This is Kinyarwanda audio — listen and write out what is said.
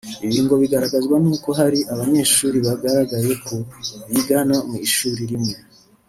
Ibi ngo bigaragazwa n’uko hari abanyeshuri bagaragaye ko bigana mu ishuri rimwe